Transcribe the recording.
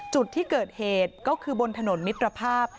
จุดที่เกิดเหตุก็คือบนถนนมิตรภาพ